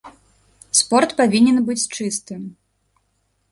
Спорт павінен быць чыстым.